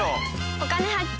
「お金発見」。